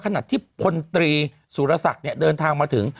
ขณะที่พลตรีสุรศักดิ์เดินทางมาถึง